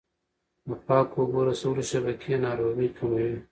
د پاکو اوبو رسولو شبکې ناروغۍ کموي.